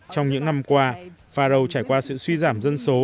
trong những năm qua faro trải qua sự suy giảm dân số